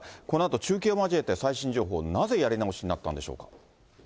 このあと中継を交えて最新情報、なぜやり直しになったんでしょうか。